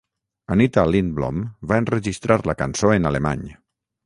Anita Lindblom va enregistrar la cançó en alemany.